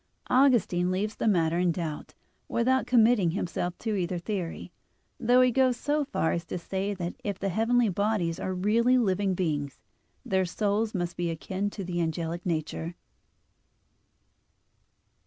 Augustine leaves the matter in doubt, without committing himself to either theory, though he goes so far as to say that if the heavenly bodies are really living beings, their souls must be akin to the angelic nature (Gen. ad lit. ii, 18; Enchiridion lviii).